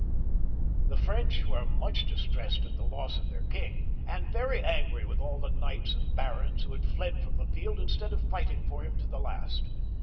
The French were much distressed at the loss of their king, and very angry with aU the knights and barons who had fled from the field instead of fighting for him to the last.